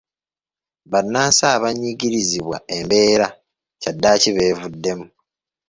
Bannansi abanyigirizibwa embeera kyaddaaki beevuddemu.